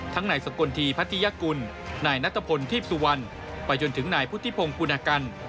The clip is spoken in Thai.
ทั้งไหนสกลทีพัฒนิยากุลไหนนนาตะพนถีศุวรรณไปถึงไหนพุทธิพงกุณากัน